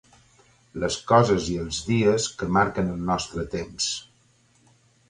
Les coses i els dies que marquen el nostre temps.